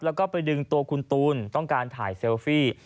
แล้วก็ไปดึงตัวคุณตูนต้องการถ่ายเซลฟี่